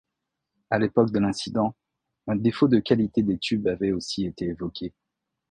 À l'époque de l'incident, un défaut de qualité des tubes avait aussi été évoqué.